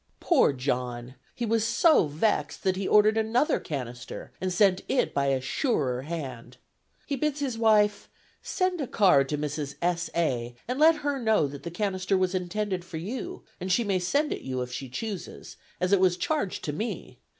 Poor John! he was so vexed that he ordered another canister and sent it by a surer hand. He bids his wife "send a card to Mrs. S. A., and let her know that the canister was intended for you, and she may send it you, if she chooses, as it was charged to me.